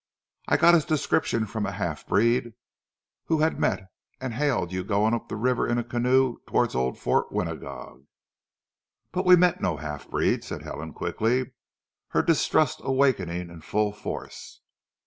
"I got his description from a half breed who had met and hailed you going up the river in a canoe towards Old Fort Winagog." "But we met no half breed," said Helen quickly, her distrust awakening in full force.